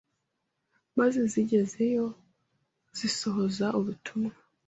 maze zigezeyo zisohoza ubutumwa.